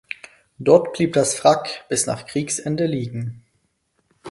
Dort blieb das Wrack bis nach Kriegsende liegen.